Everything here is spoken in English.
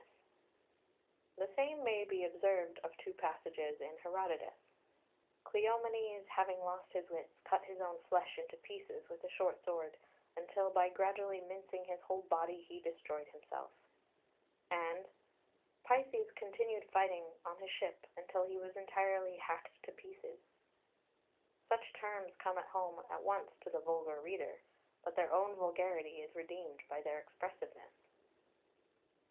[Footnote 1: See Note.] 2 The same may be observed of two passages in Herodotus: "Cleomenes having lost his wits, cut his own flesh into pieces with a short sword, until by gradually mincing his whole body he destroyed himself"; and "Pythes continued fighting on his ship until he was entirely hacked to pieces." Such terms come home at once to the vulgar reader, but their own vulgarity is redeemed by their expressiveness.